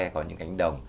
có những cánh đồng